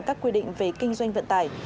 các quy định về kinh doanh vận tải